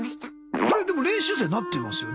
あれでも練習生なってますよね？